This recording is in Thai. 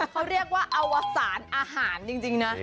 เขาเรียกว่าอวสารอาหารจริงนะ